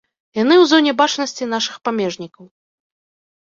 Яны ў зоне бачнасці нашых памежнікаў.